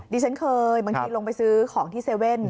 ดิฉันเคยบางทีลงไปซื้อของที่๗๑๑